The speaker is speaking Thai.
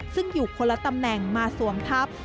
ซึ่งอยู่คนละตำแหน่งมาสวมทัพ